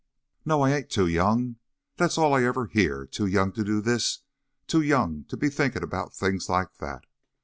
"No, I ain't too young! That's all I ever hear too young to do this, too young to be thinkin' about things like that!